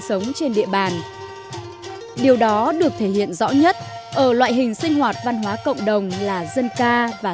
sống trên địa bàn điều đó được thể hiện rõ nhất ở loại hình sinh hoạt văn hóa cộng đồng là dân ca và